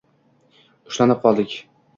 Ushlanib qoldik